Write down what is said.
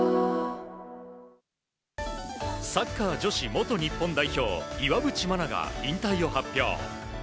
サッカー女子元日本代表岩渕真奈が引退を発表。